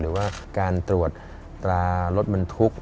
หรือว่าการตรวจร้ารถมันทุกข์